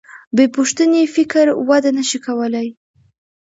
بېپوښتنې فکر وده نهشي کولی.